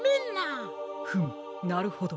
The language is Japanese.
フムなるほど。